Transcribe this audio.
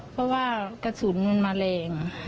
เพราะว่ากระสุนมันมาแรง